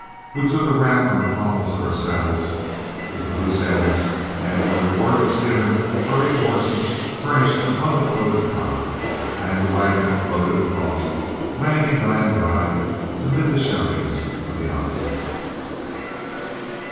We took a wrap on the pommels of our saddles with the loose end, and when the word was given our eight horses furnished abundant motive power, and the wagon floated across, landing high and dry amid the shoutings of the outfit.